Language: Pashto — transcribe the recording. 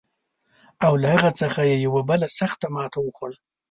او له هغه څخه یې یوه بله سخته ماته وخوړه.